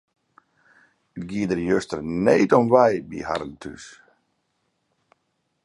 It gie der juster need om wei by harren thús.